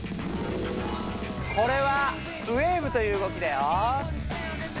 これはウェーブという動きだよ。